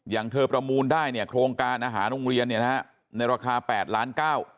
อย่างเธอประมูลได้โครงการอาหารโรงเรียนในราคา๘๙๐๐๐๐๐บาท